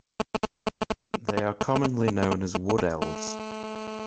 They are commonly known as Wood-elves.